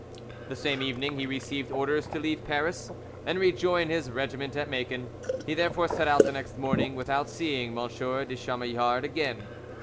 The same evening he received orders to leave Paris and rejoin his regiment at Macon. He therefore set out the next morning, without seeing M. de Chamillard again.